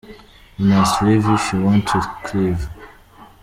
You must Leave if you want to Cleave.